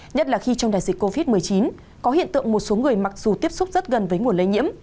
nhất là khi trong đại dịch covid một mươi chín có hiện tượng một số người mặc dù tiếp xúc rất gần với nguồn lây nhiễm